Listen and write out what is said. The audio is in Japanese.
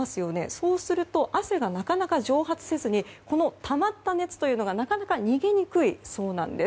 そうすると汗がなかなか蒸発せずにたまった熱というのが、なかなか逃げにくいそうなんです。